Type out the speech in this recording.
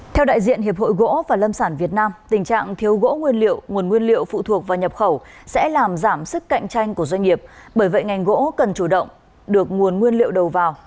theo đại diện hiệp hội gỗ và lâm sản việt nam tình trạng thiếu gỗ nguyên liệu nguồn nguyên liệu phụ thuộc vào nhập khẩu sẽ làm giảm sức cạnh tranh của doanh nghiệp bởi vậy ngành gỗ cần chủ động được nguồn nguyên liệu đầu vào